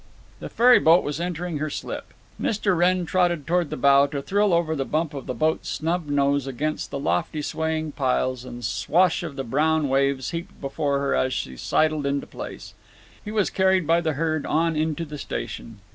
The ferryboat was entering her slip. Mr. Wrenn trotted toward the bow to thrill over the bump of the boat's snub nose against the lofty swaying piles and the swash of the brown waves heaped before her as she sidled into place. He was carried by the herd on into the station.